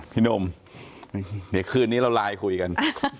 พี่หนุ่มเดี๋ยวคืนนี้เราไลน์คุยกัน